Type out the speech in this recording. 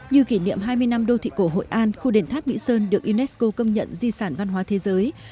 như kỷ niệm hai mươi năm đô thị cổ hội an khu đền tháp mỹ sơn được unesco công nhận di sản văn hóa thế giới